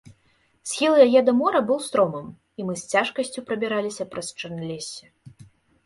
Схіл яе да мора быў стромым, і мы з цяжкасцю прабіраліся праз чарналессе.